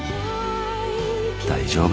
大丈夫。